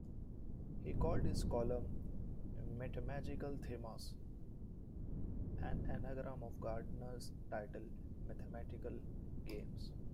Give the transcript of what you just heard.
He called his column "Metamagical Themas", an anagram of Gardner's title "Mathematical Games".